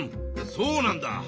そうなんだ。